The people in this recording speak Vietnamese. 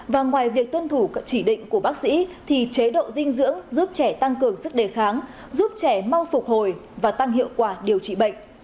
và ngoài việc tuân thủ chỉ định của bác sĩ thì chế độ dinh dưỡng giúp trẻ tăng cường sức đề kháng giúp trẻ mau phục hồi và tăng hiệu quả điều trị bệnh